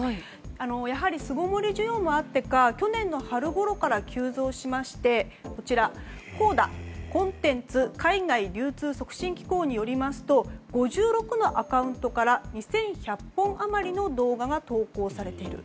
やはり巣ごもり需要もあってか去年の春ごろから急増しましてＣＯＤＡ・コンテンツ海外流通促進機構によると５６のアカウントから２１００本余りの動画が投稿されている。